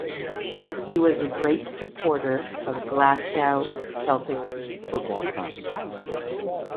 He was a great supporter of Glasgow Celtic Football Club.